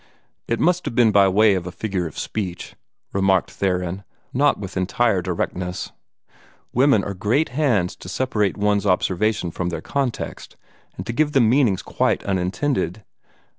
"It must have been by way of a figure of speech," remarked Theron, not with entire directness. "Women are great hands to separate one's observations from their context, and so give them meanings quite unintended.